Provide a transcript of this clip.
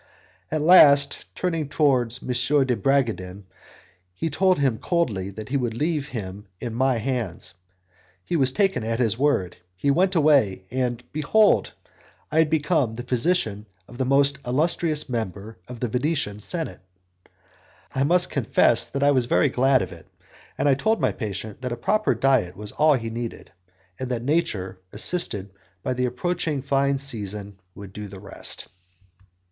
At last, turning towards M. de Bragadin, he told him coldly that he would leave him in my hands; he was taken at his word, he went away, and behold! I had become the physician of one of the most illustrious members of the Venetian Senate! I must confess that I was very glad of it, and I told my patient that a proper diet was all he needed, and that nature, assisted by the approaching fine season, would do the rest.